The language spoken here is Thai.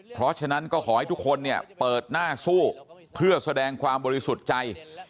เพราะฉะนั้นก็ขอให้ทุกคนเนี่ยเปิดหน้าสู้เพื่อแสดงความบริสุทธิ์ใจ